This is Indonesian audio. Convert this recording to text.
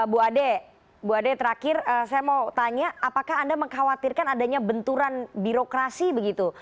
bu ade bu ade terakhir saya mau tanya apakah anda mengkhawatirkan adanya benturan birokrasi begitu